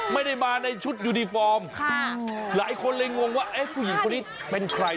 ไม่ได้มาในชุดยูนิฟอร์มค่ะหลายคนเลยงงว่าเอ๊ะผู้หญิงคนนี้เป็นใคร